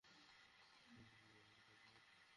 এটাই সম্পুর্ন এবং চূড়ান্ত।